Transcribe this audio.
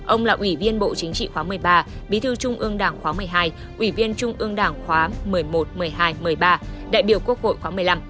ông là ủy viên bộ chính trị khóa một mươi ba bí thư trung ương đảng khóa một mươi hai ủy viên trung ương đảng khóa một mươi một một mươi hai một mươi ba đại biểu quốc hội khóa một mươi năm